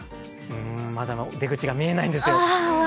うーん、まだ出口が見えないんですよ。